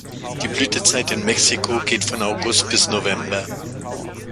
Die Blütezeit in Mexiko geht von August bis November.